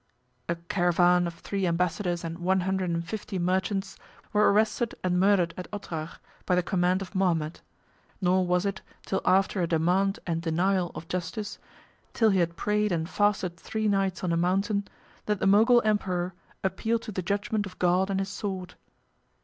191 A caravan of three ambassadors and one hundred and fifty merchants were arrested and murdered at Otrar, by the command of Mohammed; nor was it till after a demand and denial of justice, till he had prayed and fasted three nights on a mountain, that the Mogul emperor appealed to the judgment of God and his sword.